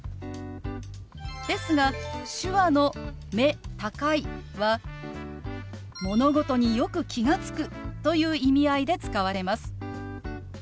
ですが手話の「目高い」は「物事によく気が付く」という意味合いで使われます。